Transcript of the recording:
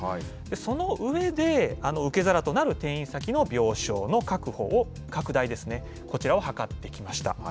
その上で、受け皿となる転院先の病床の確保を、拡大ですね、こちらを図ってきました。